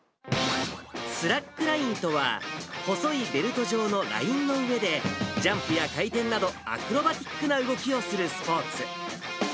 スラックラインとは、細いベルト状のラインの上でジャンプや回転など、アクロバチックな動きをするスポーツ。